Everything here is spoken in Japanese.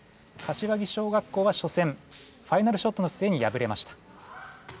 柏木小学校は初戦ファイナルショットのすえにやぶれました。